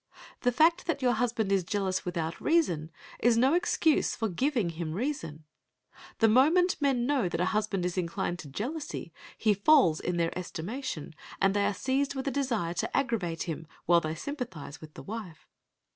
The fact that your husband is jealous without reason is no excuse for giving him reason. The moment men know that a husband is inclined to jealousy, he falls in their estimation, and they are seized with a desire to aggravate him, while they sympathize with the wife.